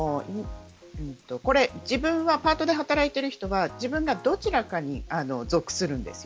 自分はパートで働いている人はどちらかに属するんです。